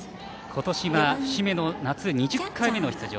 今年は、節目の夏２０回目の出場。